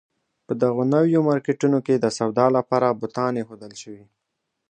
په دغو نویو مارکېټونو کې د سودا لپاره بوتان اېښودل شوي.